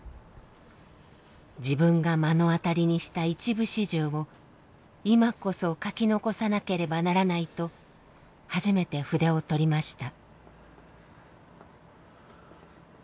自分が目の当たりにした一部始終を今こそ書き残さなければならないと初めて筆を執りました。